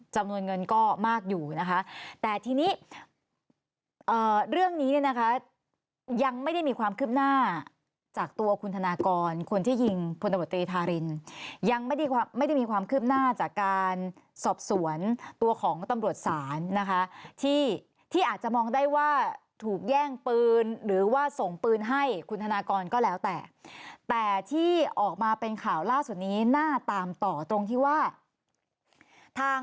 จำนวนเงินก็มากอยู่นะคะแต่ทีนี้เรื่องนี้เนี่ยนะคะยังไม่ได้มีความคืบหน้าจากตัวคุณธนากรคนที่ยิงพลตำรวจตรีธารินยังไม่ได้มีความคืบหน้าจากการสอบสวนตัวของตำรวจศาลนะคะที่ที่อาจจะมองได้ว่าถูกแย่งปืนหรือว่าส่งปืนให้คุณธนากรก็แล้วแต่แต่ที่ออกมาเป็นข่าวล่าสุดนี้น่าตามต่อตรงที่ว่าทาง